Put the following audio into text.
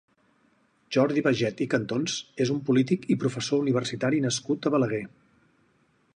Jordi Baiget i Cantons és un polític i professor universitari nascut a Balaguer.